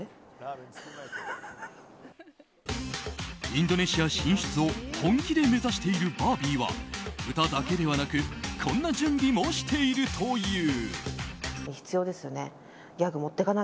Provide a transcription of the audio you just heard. インドネシア進出を本気で目指しているバービーは歌だけではなくこんな準備もしているという。